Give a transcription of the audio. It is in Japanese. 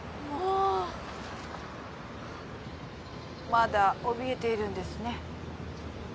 まだ怯えているんですね。